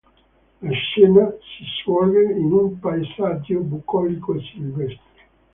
La scena si svolge in un paesaggio bucolico e silvestre.